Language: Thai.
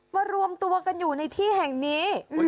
รวมตัวกันอยู่ในที่แห่งนี้